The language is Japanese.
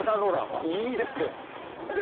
いいですって！